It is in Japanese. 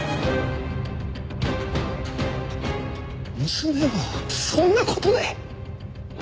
娘はそんな事で？